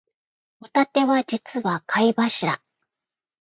ホタテは実は貝柱